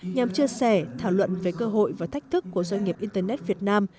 nhằm chia sẻ thảo luận về cơ hội và thách thức của doanh nghiệp internet việt nam